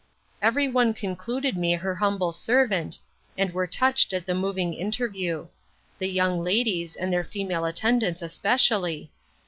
Every one concluded me her humble servant, and were touched at the moving interview; the young ladies, and their female attendants, especially.